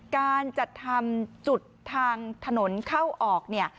การจัดทำจุดทางถนนเข้าออกเนี่ย